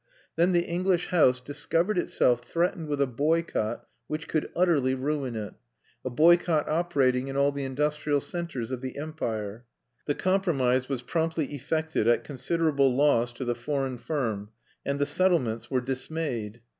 Then the English house discovered itself threatened with a boycott which could utterly ruin it, a boycott operating in all the industrial centres of the Empire. The compromise was promptly effected at considerable loss to the foreign firm; and the settlements were dismayed.